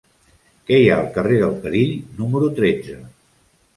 Què hi ha al carrer del Perill número tretze?